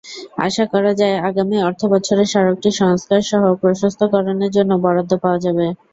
আশা করা যায় আগামী অর্থবছরে সড়কটি সংস্কারসহ প্রশস্তকরণের জন্য বরাদ্দ পাওয়া যাবে।